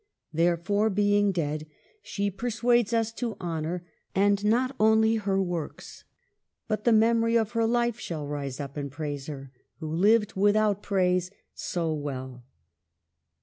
Therefore, being dead she persuades us to honor ; and not only her works but the memory of her life shall rise up and praise her, who lived without praise so well.